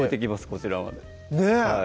こちらまでねぇ